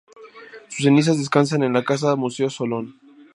Sus cenizas descansan en la Casa museo Solón.